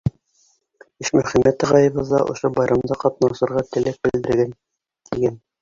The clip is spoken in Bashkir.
Ишмөхәмәт ағайыбыҙ ҙа ошо байрамда ҡатнашырға теләк белдергән. — тигән.